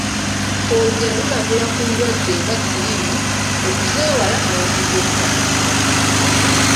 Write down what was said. Olugero lulabula ku ndwadde nga Siriimu okuzeewala n’okuzeetangira.